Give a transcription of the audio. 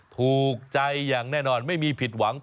ถูกใจอย่างแน่นอนไม่มีผิดหวัง